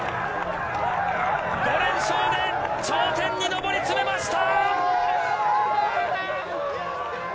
５連勝で頂点に上り詰めました！